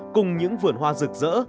cùng những vườn hoa rực rỡ